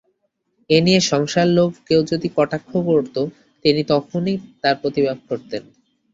এ নিয়ে সংসারের লোক কেউ যদি কটাক্ষ করত তিনি তখনই তার প্রতিবাদ করতেন।